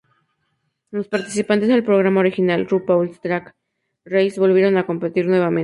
Los participantes del programa original RuPaul's Drag Race volvieron a competir nuevamente.